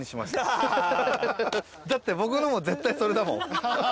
だって僕のも絶対それだもん。